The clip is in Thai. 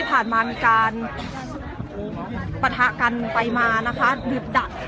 ก็ไม่มีใครกลับมาเมื่อเวลาอาทิตย์เกิดขึ้น